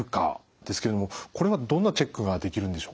ですけどもこれはどんなチェックができるんでしょうか？